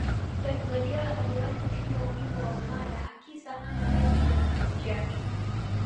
pep guardiola hajawahi kushinda ubingwa wa ulaya akisa hana messi kwenye kikosi chake